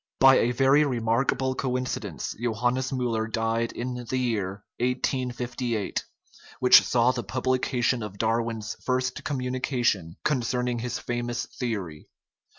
By a very remarkable coincidence Johannes Miiller died in the year 1858, which saw the publication of Darwin's first communi cation concerning his famous theory.